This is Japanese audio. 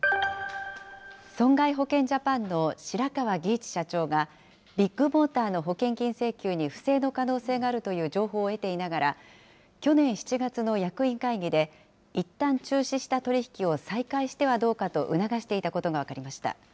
損害保険ジャパンの白川儀一社長が、ビッグモーターの保険金請求に不正の可能性があるという情報を得ていながら、去年７月の役員会議でいったん中止した取り引きを再開してはどうかと促していたことが分かりました。